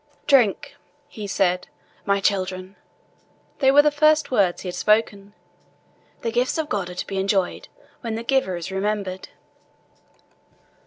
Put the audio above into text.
"Drink," he said, "my children" they were the first words he had spoken "the gifts of God are to be enjoyed, when the Giver is remembered."